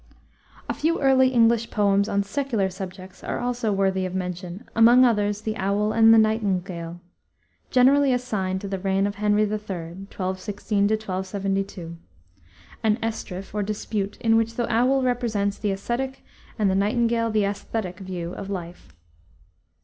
A few early English poems on secular subjects are also worthy of mention, among others, The Owl and the Nightingale, generally assigned to the reign of Henry III. (1216 1272), an Estrif, or dispute, in which the owl represents the ascetic and the nightingale the aesthetic view of life.